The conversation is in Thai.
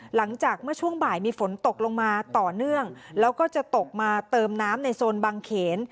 หลังจากเมื่อช่วงบ่ายมีฝนตกลงมาต่อเนื่องแล้วก็จะตกมาเติมน้ำในโซนบางเขน